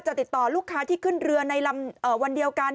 ติดต่อลูกค้าที่ขึ้นเรือในวันเดียวกัน